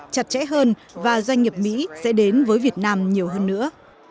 chặt chẽ hơn và doanh nghiệp mỹ sẽ đến với việt nam nhiều hơn nữa